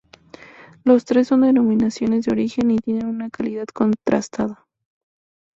Las tres son denominaciones de origen y tienen una calidad contrastada.